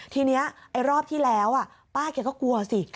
ทีนี้รอบที่แล้วป้าเขาก็กลัวสิ